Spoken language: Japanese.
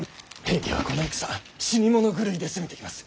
平家はこの戦死に物狂いで攻めてきます。